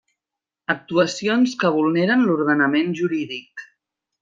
Actuacions que vulneren l'ordenament jurídic.